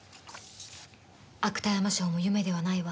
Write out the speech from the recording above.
芥山賞も夢ではないわ。